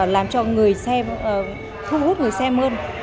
làm cho người xem thu hút người xem hơn